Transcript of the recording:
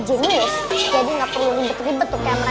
jenius jadi gak perlu ribet ribet tuh kayak mereka